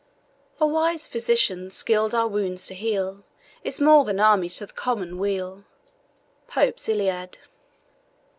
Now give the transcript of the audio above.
A wise physician, skilled our wounds to heal, Is more than armies to the common weal. POPE'S ILLIAD.